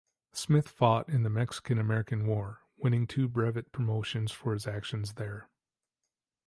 Smith fought in the Mexican-American War, winning two brevet promotions for his actions there.